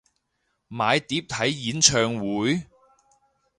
買碟睇演唱會？